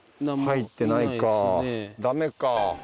入ってないかダメか。